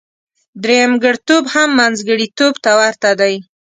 درېمګړتوب هم منځګړتوب ته ورته دی.